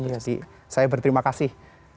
jadi saya berterima kasih